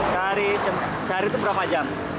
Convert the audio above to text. sehari itu berapa jam